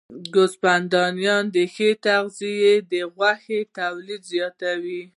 د ګوسفندانو ښه تغذیه د غوښې تولید زیاتوي.